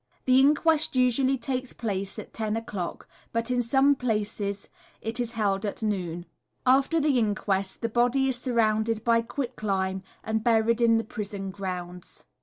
The inquest usually takes place at ten o'clock, but in some few places it is held at noon. After the inquest the body is surrounded by quick lime and buried in the prison grounds.